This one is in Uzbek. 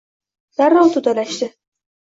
Darrov to’dalashadi.